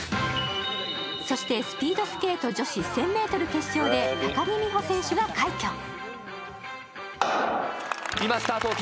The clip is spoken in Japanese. そしてスピードスケート女子１０００ｍ決勝で高木美帆選手が快挙。